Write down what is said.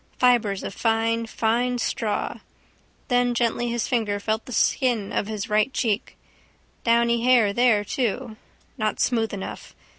Fibres of fine fine straw. Then gently his finger felt the skin of his right cheek. Downy hair there too. Not smooth enough.